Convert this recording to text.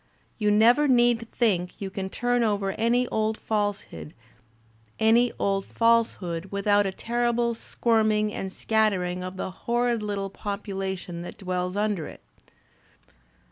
"You never need think you can turn over any old falsehood without a terrible squirming and scattering of the horrid little population that dwells imder it."